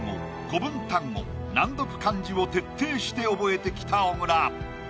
古文単語・難読漢字を徹底して覚えてきた小倉